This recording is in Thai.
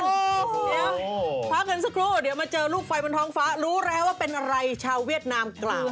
เดี๋ยวพักกันสักครู่เดี๋ยวมาเจอลูกไฟบนท้องฟ้ารู้แล้วว่าเป็นอะไรชาวเวียดนามกล่าว